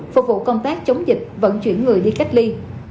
phục vụ công tác chống dịch vận chuyển người đi cách ly